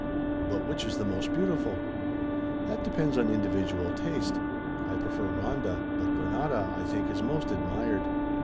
"But which is the most beautiful?" "That depends on individual taste. I prefer Ronda, but Grenada, I think, is most admired.